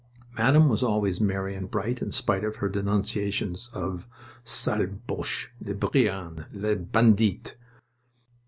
Madame was always merry and bright in spite of her denunciations of the "Sale Boches les brigands, les bandits!"